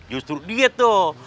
justru dia tuh